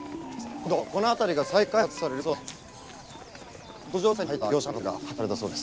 今度この辺りが再開発されるそうで。